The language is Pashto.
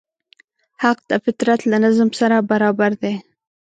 حق د فطرت له نظم سره برابر دی.